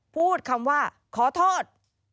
พูดคำว่าขอโทษ